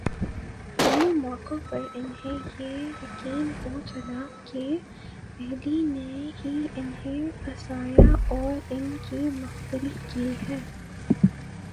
دونوں موقعوں پر انھیں یہ یقین ہو چلا کہ ایڈی نے ہی انھیں پھنسایا اور ان کی مخبری کی ہے۔